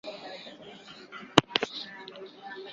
ওর ভেতরে যাও।